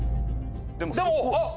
でもあっ！